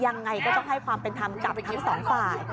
ยังไงก็ต้องให้ความเป็นธรรมกับทั้งสองฝ่าย